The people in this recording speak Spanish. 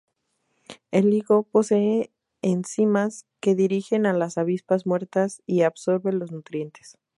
El higo posee enzimas que digieren a las avispas muertas y absorbe los nutrientes.